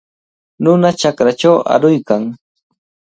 Nuna chakrachaw aruykan.